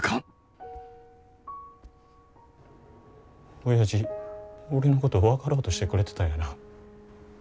おやじ俺のこと分かろうとしてくれてたんやな。